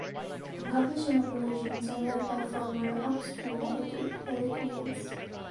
The publishing operations are led by former "Upstream" editor Erik Means.